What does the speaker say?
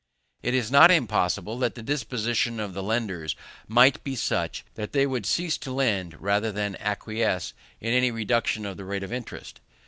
It is not impossible that the disposition of the lenders might be such, that they would cease to lend rather than acquiesce in any reduction of the rate of interest.